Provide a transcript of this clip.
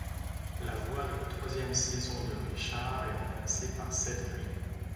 La voix de la troisième saison de Richard est remplacé par Seth Green.